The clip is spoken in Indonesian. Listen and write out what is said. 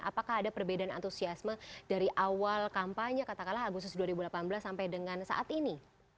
apakah ada perbedaan antusiasme dari awal kampanye katakanlah agustus dua ribu delapan belas sampai dengan saat ini